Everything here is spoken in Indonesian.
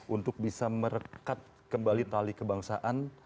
untuk bisa merekat kembali tali kebangsaan